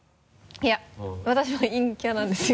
いや私は陰キャなんですよ。